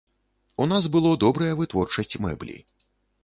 У нас было добрая вытворчасць мэблі.